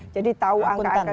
jadi tahu angka angka